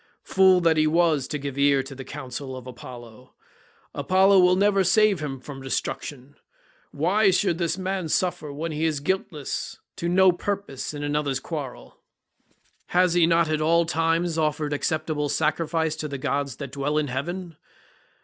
Fool that he was to give ear to the counsel of Apollo. Apollo will never save him from destruction. Why should this man suffer when he is guiltless, to no purpose, and in another's quarrel? Has he not at all times offered acceptable sacrifice to the gods that dwell in heaven?